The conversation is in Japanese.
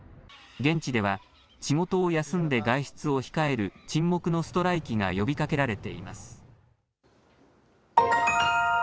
現地では仕事を休んで外出を控える沈黙のストライキが呼びかけられています。